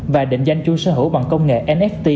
và định danh chủ sở hữu bằng công nghệ nft